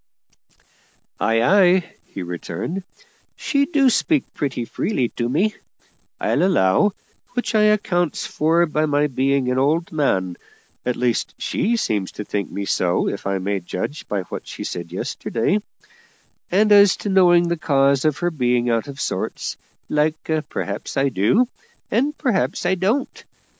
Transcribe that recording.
"Ay, ay," he returned; "she do speak pretty free to me, I'll allow; which I accounts for by my being an old man at least, she seems to think me so, if I may judge by what she said yesterday; and as to knowing the cause of her being out of sorts like, perhaps I do, and perhaps I don't.